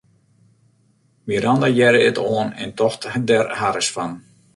Miranda hearde it oan en tocht der harres fan.